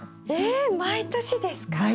えっ毎年ですか？